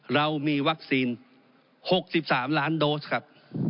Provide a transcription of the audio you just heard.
เรามีวัคซีน๖๓ล้านโดสครับ